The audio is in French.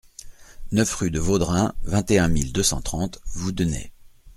neuf rue de Vaudrin, vingt et un mille deux cent trente Voudenay